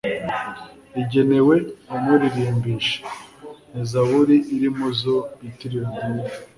igenewe umuririmbisha. ni zaburi iri mu zo bitirira dawudi